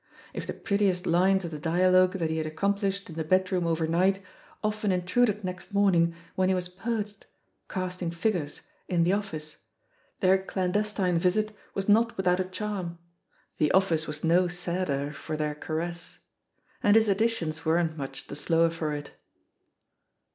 If the prettiest lines of the dialogue that he had accomplished in the bedroom overnight often intruded next morn ing when he was perched, casting figures, in the ofiice, their clandestine visit was not without a charm — the office was no sadder for their caress. And his additions weren't much the slower for it.